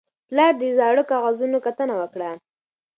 پلار د زاړه کاغذونو کتنه وکړه